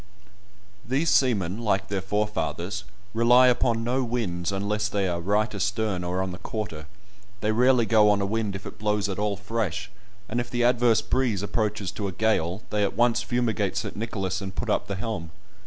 These seamen, like their forefathers, rely upon no winds unless they are right astern or on the quarter; they rarely go on a wind if it blows at all fresh, and if the adverse breeze approaches to a gale, they at once fumigate St. Nicholas, and put up the helm.